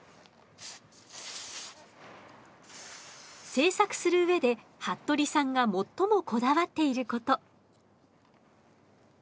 制作する上で服部さんが最もこだわっていること。